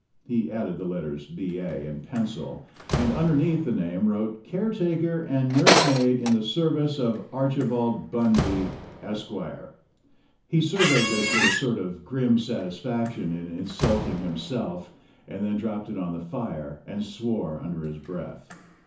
He added the letters B.A., in pencil, and under neath the name wrote "Caretaker and nursemaid in the service of Archibald Bunby, Esq." He surveyed this with a sort of grim satisfaction in insulting him self, and then dropped it on the fire and swore under his breath.